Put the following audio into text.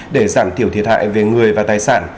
để giảm thiểu thiệt hại về người và tài sản